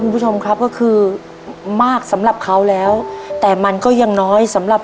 ทับผลไม้เยอะเห็นยายบ่นบอกว่าเป็นยังไงครับ